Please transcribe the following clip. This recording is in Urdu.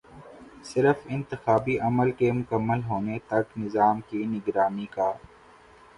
صرف انتخابی عمل کے مکمل ہونے تک نظام کی نگرانی کا